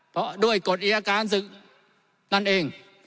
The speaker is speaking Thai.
เพราะด้วยกฎอายการศึกนั่นเอง